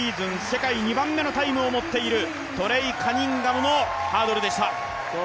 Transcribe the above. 世界２番目のタイムを持っているトレイ・カニンガムのハードルでした。